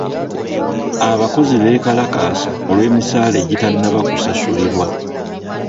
Abakozi bekalakaasa olw'emisaala egitannaba kusasulirwa.